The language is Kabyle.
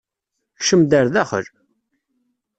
Kcem-d ar daxel!